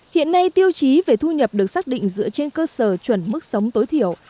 hiện nay tiêu chí về thu nhập được xác định dựa trên cơ sở chuẩn mức sống tối thiểu